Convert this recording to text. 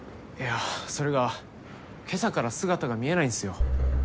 いやそれが今朝から姿が見えないんすよ。